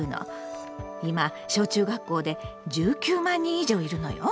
今小中学校で１９万人以上いるのよ。